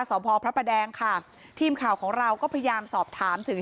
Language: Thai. สพพระประแดงค่ะทีมข่าวของเราก็พยายามสอบถามถึง